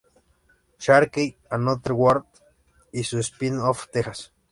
Sharkey", "Another World" y su spin-off, "Texas".